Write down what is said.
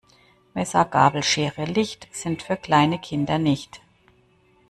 Messer, Gabel, Schere, Licht, sind für kleine Kinder nicht.